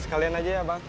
sekalian aja ya bang